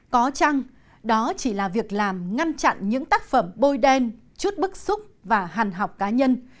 có chăng đó chỉ là việc làm ngăn chặn những tác phẩm bôi đen chút bức xúc và hàn học cá nhân